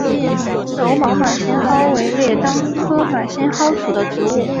柔毛马先蒿为列当科马先蒿属的植物。